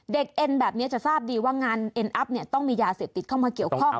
เอ็นแบบนี้จะทราบดีว่างานเอ็นอัพต้องมียาเสพติดเข้ามาเกี่ยวข้อง